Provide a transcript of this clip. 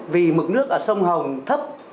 vì mực nước ở sông hồng thấp